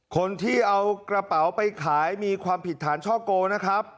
คนที่เอากระเป๋าไปขายมีความผิดฐานช่อโกงนะครับ